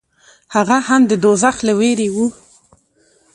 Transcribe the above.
هغه هم د دوزخ له وېرې و.